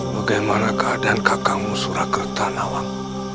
bagaimana keadaan kakakmu surakarta nawang